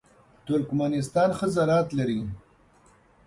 ترکمنستان ښه زراعت لري.